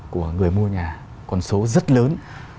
của người mua nhà con số rất lớn